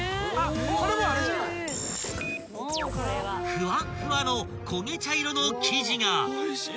［ふわっふわのこげ茶色の生地が］